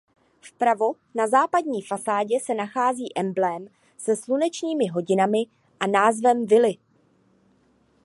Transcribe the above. Vpravo na západní fasádě se nachází emblém se slunečními hodinami a názvem vily.